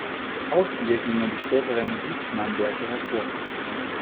Aus ihr gingen die späteren Siepmann-Werke hervor.